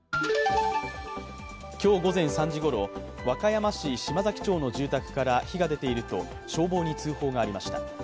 今日午前３時ごろ、和歌山市島崎町の住宅から火が出ていると消防に通報がありました。